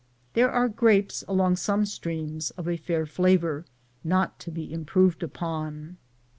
There are grapes along some streams, of a fair flavor, not to be improved upon.